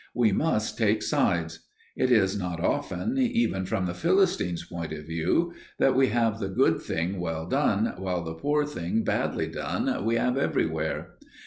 We must take sides. It is not often, even from the Philistine's point of view, that we have the good thing well done, while the poor thing badly done we have everywhere.